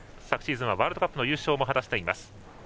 昨シーズンはワールドカップの優勝も果たしています。